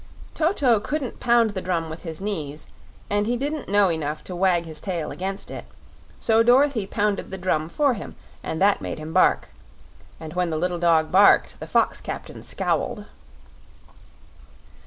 Toto couldn't pound the drum with his knees and he didn't know enough to wag his tail against it, so Dorothy pounded the drum for him and that made him bark, and when the little dog barked the fox captain scowled.